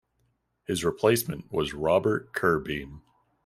His replacement was Robert Curbeam.